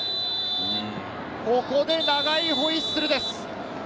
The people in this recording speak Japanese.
ここで長いホイッスルです。